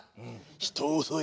「人を襲え！